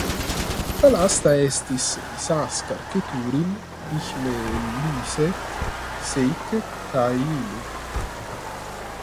La lasta estis "Isaskar Keturin ihmeelliset seikkailut".